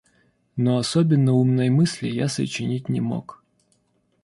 Но особенно умной мысли я сочинить не мог.